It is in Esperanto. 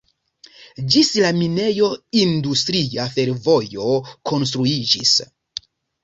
Ĝis la minejo industria fervojo konstruiĝis.